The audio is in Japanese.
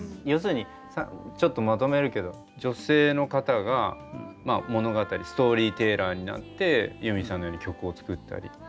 要するにちょっとまとめるけど女性の方が物語ストーリーテラーになってユーミンさんのように曲を作ったり。